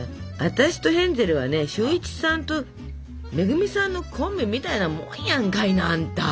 私とヘンゼルはね俊一さんと恵さんのコンビみたいなもんやんかいなあんた。